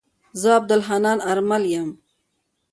زه عبدالحنان آرمل يم.